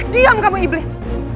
diam kamu iblis